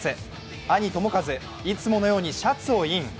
兄・智和、いつものようにシャツをイン。